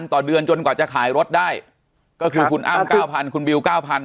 ต่อเดือนจนกว่าจะขายรถได้ก็คือคุณอ้ำ๙๐๐คุณบิว๙๐๐